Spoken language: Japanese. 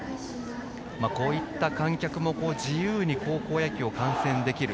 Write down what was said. こういった観客も自由に高校野球を観戦できる。